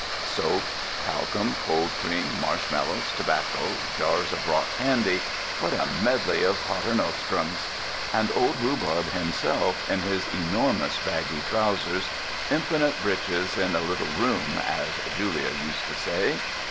Soap, talcum, cold cream, marshmallows, tobacco, jars of rock candy, what a medley of paternostrums! And old Rhubarb himself, in his enormous baggy trousers—infinite breeches in a little room, as Julia used to say.